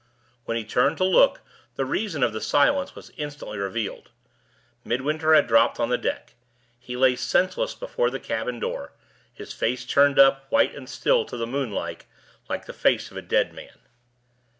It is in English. When he turned to look, the reason of the silence was instantly revealed. Midwinter had dropped on the deck. He lay senseless before the cabin door; his face turned up, white and still, to the moonlight, like the face of a dead man.